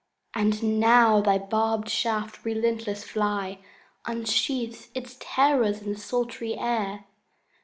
—Ah now thy barbed shaft, relentless fly, Unsheaths its terrors in the sultry air!